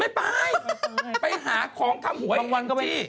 ไม่ไปไปหาของทำหวยไออ่างจี้